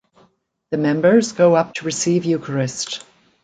The members go up to receive Eucharist.